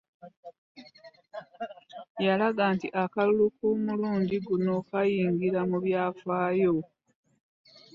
Yalaga nti akalulu k'omulundi guno kaayingira mu byafaayo